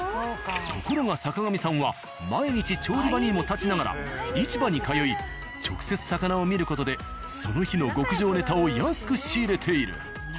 ところが坂上さんは毎日調理場にも立ちながら市場に通い直接魚を見る事でその日の極上ネタを安く仕入れている。